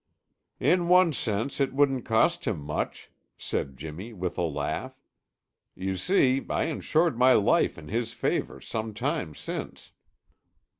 "In one sense, it wouldn't cost him much," said Jimmy, with a laugh. "You see, I insured my life in his favor some time since."